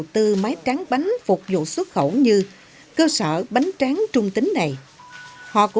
từ lúc ở năm ba đại học